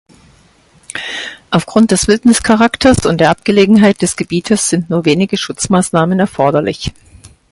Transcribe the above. Aufgrund des Wildnis-Charakters und der Abgelegenheit des Gebietes sind nur wenige Schutzmaßnahmen erforderlich.